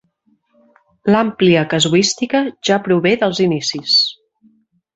L'àmplia casuística ja prové dels inicis.